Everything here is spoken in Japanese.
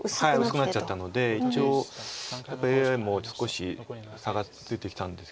薄くなっちゃったので一応やっぱりＡＩも少し差がついてきたんですけど。